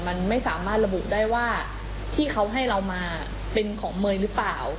มันไม่สามารถระบุได้ว่าที่เขาให้เรามาเป็นของเมย์หรือเปล่า